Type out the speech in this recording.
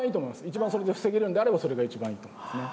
一番それで防げるんであればそれが一番いいと思いますね。